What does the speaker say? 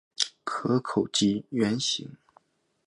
壳口近圆形。